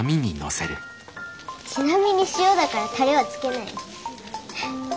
ちなみに塩だからタレはつけないよ。